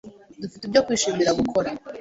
Dufite ibyo kwishimira gukora.